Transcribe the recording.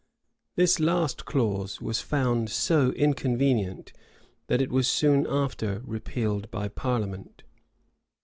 This last clause was found so inconvenient, that it was soon after repealed by parliament.